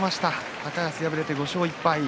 高安敗れて５勝１敗。